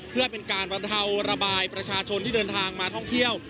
เพื่อเป็นการบรรเทาระบายประชาชนที่เดินทางมาท่องเที่ยว